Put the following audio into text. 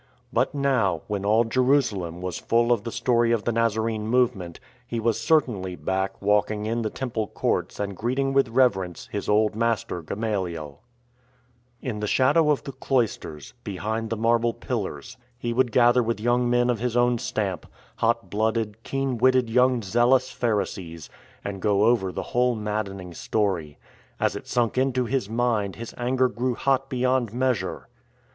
But now, when all Jeru salem was full of the story of the Nazarene movement, he was certainly back walking in the Temple courts and greeting with reverence his old master Gamaliel. In the shadow of the cloisters, behind the marble pillars, he would gather with young men of his own stamp — hot blooded, keen witted young zealous Phar isees — and go over the whole maddening story. As it sunk into his mind, his anger grew hot beyond measure.